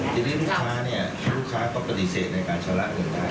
คิดว่าลูกค้าเนี่ยลูกค้าก็ปฏิเสธในการชะละเงินได้